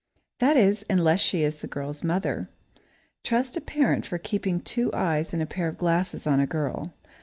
That is, unless she is the girl's mother. Trust a parent for keeping two eyes and a pair of glasses on a girl!